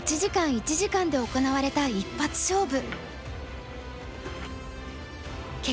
１時間で行われた一発勝負。